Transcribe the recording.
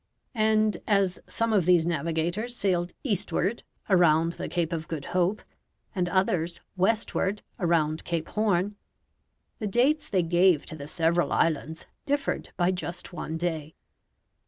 And as some of these navigators sailed eastward, around the Cape of Good Hope, and others westward, around Cape Horn, the dates they gave to the several islands differed by just one day.